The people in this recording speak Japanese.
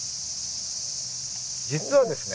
実はですね。